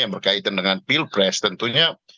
yang berkaitan dengan pilpres tentunya